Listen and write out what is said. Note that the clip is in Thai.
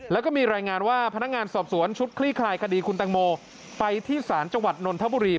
แล้วก็มีรายงานว่าพนักงานสอบสวนชุดคลี่คลายคดีคุณตังโมไปที่ศาลจังหวัดนนทบุรี